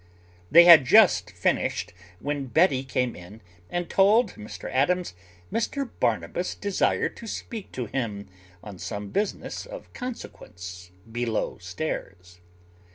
They had just finished when Betty came in and told Mr Adams Mr Barnabas desired to speak to him on some business of consequence below stairs.